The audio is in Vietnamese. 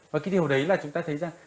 và cái điều đấy là chúng ta thấy rằng